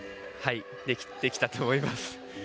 できたと思います。